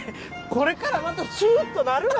これからまたシューッとなるが！